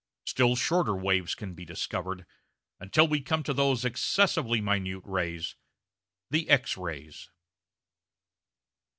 Still shorter waves can be discovered, until we come to those excessively minute rays, the X rays.